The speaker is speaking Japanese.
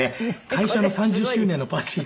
会社の３０周年のパーティー。